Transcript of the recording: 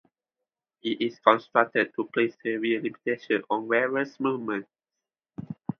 It is constructed to place severe limitations on the wearer's movements.